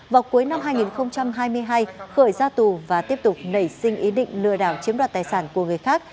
vào cuối năm hai nghìn hai mươi hai khởi ra tù và tiếp tục nảy sinh ý định lừa đảo chiếm đoạt tài sản của người khác